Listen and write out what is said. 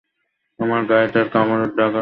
আমার গায়ে তার কামড়ের দাগ আছে।